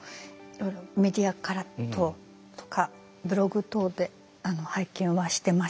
メディアからとかブログ等で拝見はしてました。